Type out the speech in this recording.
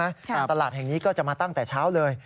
แต่ตลาดแห่งนี้ก็จะมาตั้งแต่เช้าเลย